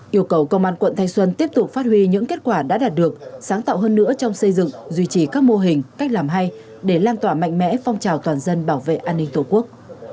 yêu cầu công an quận thanh xuân tiếp tục phát huy những kết quả đã đạt được sáng tạo hơn nữa trong xây dựng duy trì các mô hình cách làm hay để lan tỏa mạnh mẽ phong trào toàn dân bảo vệ an ninh tổ quốc